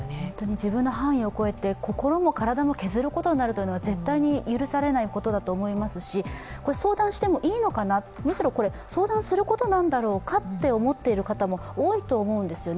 自分の範囲を超えて心も体も削ることになるのは絶対に許されないことだと思いますし、相談してもいいのかな、むしろこれ、相談することなのかなと思っている方も多いと思うんですね。